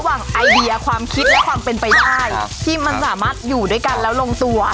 หมายความเป็นไปได้ที่มันสามารถอยู่ด้วยกันแล้วลงตัว